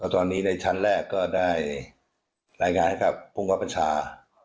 ตอนนี้ในชั้นแรกก็ได้รายงานให้กับภูมิกับประชา